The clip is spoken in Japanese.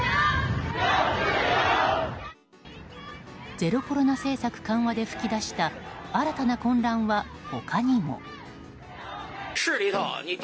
ゼロコロナ政策緩和で噴き出した新たな混乱は他にも。